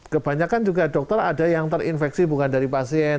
kebanyakan juga dokter ada yang terinfeksi bukan dari pasien